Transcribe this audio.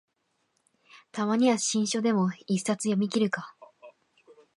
たまには新書でも一冊読みきるか